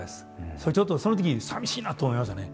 それちょっとその時にさみしいなと思いましたね。